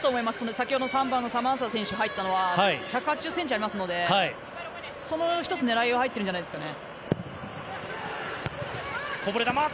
先ほどの３番のサマンサ選手が入ったのは１８０ｃｍありますのでその狙いは入ってるんじゃないですかね。